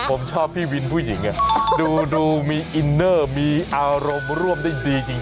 ผมชอบพี่วินผู้หญิงดูมีอินเนอร์มีอารมณ์ร่วมได้ดีจริง